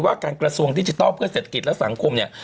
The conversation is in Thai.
การกระทรวงดิจิทัลเพื่อเศรษฐกิจและสังคมเนี่ย